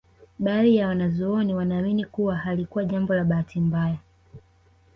Baadhi ya wanazuoni wanaamini kuwa halikuwa jambo la bahati mbaya